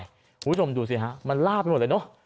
คุณผู้ชมดูสิฮะมันลาบไปหมดเลยเนอะ